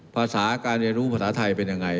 ภาษาการเรียนรู้ภาษาไทยเป็นยังไง